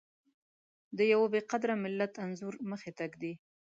د يوه بې قدره ملت انځور مخې ته ږدي.